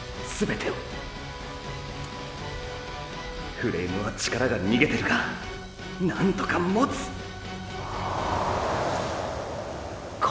フレームは力が逃げてるがなんとかもつ！風？